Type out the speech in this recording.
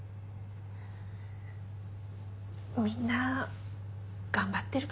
みんな頑張ってるから。